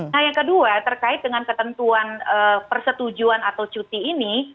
nah yang kedua terkait dengan ketentuan persetujuan atau cuti ini